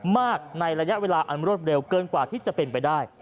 มากในระยะเวลาอันรวดเร็วเกินกว่าที่จะเป็นไปได้